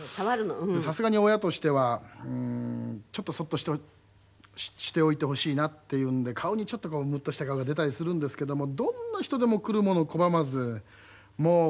さすがに親としてはうーんちょっとそっとしておいてほしいなっていうんで顔にちょっとムッとした顔が出たりするんですけどもどんな人でも来るもの拒まずもう声出して笑うんですよ。